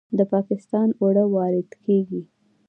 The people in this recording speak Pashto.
د پاکستان اوړه وارد کیږي.